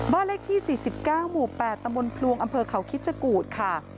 เลขที่๔๙หมู่๘ตำบลพลวงอำเภอเขาคิดชะกูธค่ะ